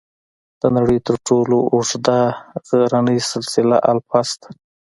د نړۍ تر ټولو اوږده غرني سلسله الپس ده.